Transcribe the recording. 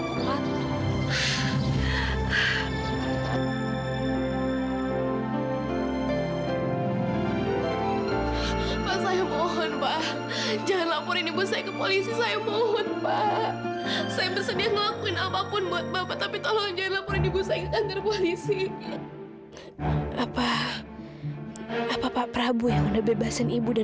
kalau kemudian membawakan pelanggan dari polisi summon